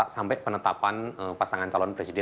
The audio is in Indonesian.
sampai penetapan pasangan calon presiden